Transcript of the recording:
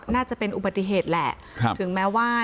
น่าจะเป็นอุปติเหตุแหละครับถึงแม่ว่านะ